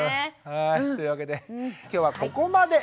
うんはいというわけで今日はここまで！